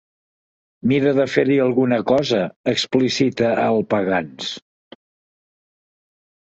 Mira de fer-hi alguna cosa —explicita el Pagans.